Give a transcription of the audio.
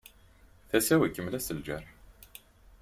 Tasa-w ikemmel-as lǧerḥ.